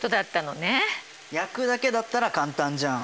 焼くだけだったら簡単じゃん。